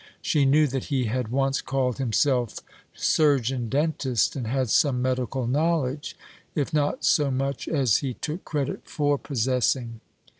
She knew that he had once called himself surgeon dentist, and had some medical knowledge, if not so much as he took credit for possessing.